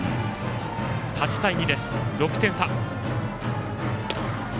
８対２です、６点差。